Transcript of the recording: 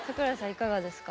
いかがですか？